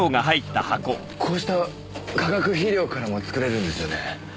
こうした化学肥料からも作れるんですよね？